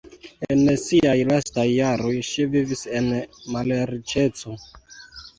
En siaj lastaj jaroj ŝi vivis en malriĉeco.